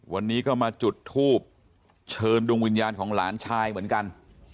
วันนี้ก็มาจุดทูบเชิญดวงวิญญาณของหลานชายเหมือนกัน